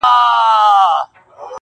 • دا خپله وم.